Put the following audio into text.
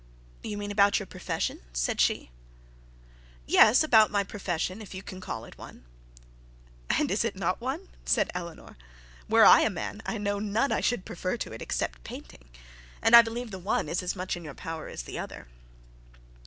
'You mean about your profession?' said she. 'Yes, about my profession, if you can call it one.' 'And is it not one?' said Eleanor. 'Were I a man, I know none I should prefer to it, except painting. And I believe the one is as much in your power as the other.'